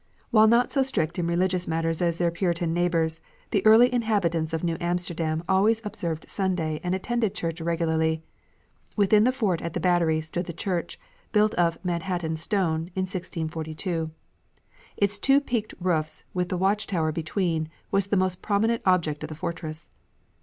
While not so strict in religious matters as their Puritan neighbours, the early inhabitants of New Amsterdam always observed Sunday and attended church regularly. Within the fort at the battery stood the church, built of "Manhattan Stone" in 1642. Its two peaked roofs with the watch tower between was the most prominent object of the fortress.